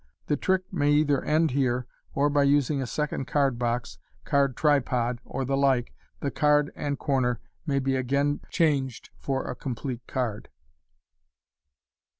The trick may either end here, or, by using a second card box, card tripod, or the like, the card and corner may be again changed for a complete card.